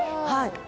はい。